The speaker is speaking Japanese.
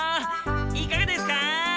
いかがですか！